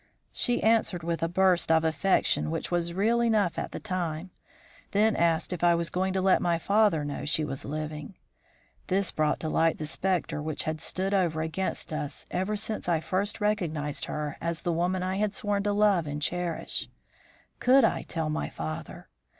"She answered with a burst of affection which was real enough at the time; then asked if I was going to let my father know she was living. This brought to light the spectre which had stood over against us ever since I first recognised her as the woman I had sworn to love and cherish. Could I tell my father?